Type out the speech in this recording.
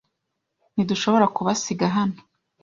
Ntidushobora kubasiga hano.